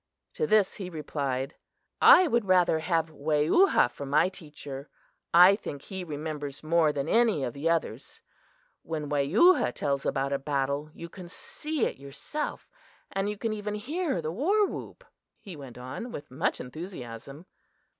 To this he replied: "I would rather have Weyuhah for my teacher. I think he remembers more than any of the others. When Weyuhah tells about a battle you can see it yourself; you can even hear the war whoop," he went on with much enthusiasm.